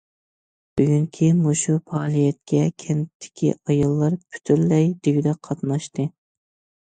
بۈگۈنكى مۇشۇ پائالىيەتكە كەنتتىكى ئاياللار پۈتۈنلەي دېگۈدەك قاتناشتى.